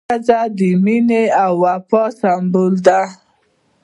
ښځه د مینې او وفا سمبول ده.